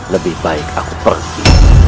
lebih baik aku pergi